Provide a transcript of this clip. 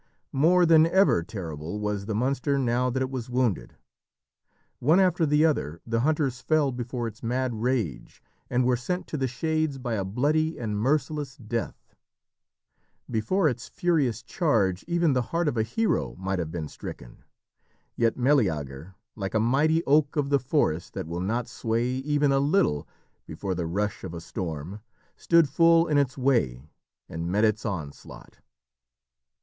More than ever terrible was the monster now that it was wounded. One after the other the hunters fell before its mad rage, and were sent to the shades by a bloody and merciless death. Before its furious charge even the heart of a hero might have been stricken. Yet Meleager, like a mighty oak of the forest that will not sway even a little before the rush of a storm, stood full in its way and met its onslaught.